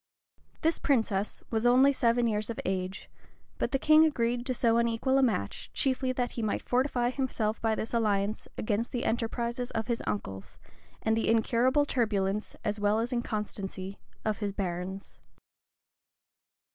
This princess was only seven years of age; but the king agreed to so unequal a match, chiefly that he might fortify himself by this alliance against the enterprises of his uncles, and the incurable turbulence, as well as inconstancy, of his barons.